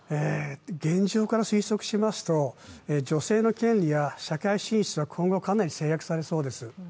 現状から推測しますと、女性の権利や社会進出は今後かなり制約されそうです。